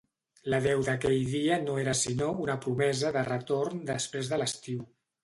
L’adéu d’aquell dia no era sinó una promesa de retorn després de l’estiu.